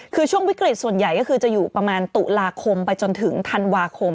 คือช่วงวิกฤตส่วนใหญ่ก็คือจะอยู่ประมาณตุลาคมไปจนถึงธันวาคม